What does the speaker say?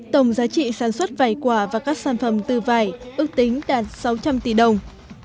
tổng giá trị sản xuất vải quả và các sản phẩm từ vải ước tính đạt sáu trăm linh tỷ đồng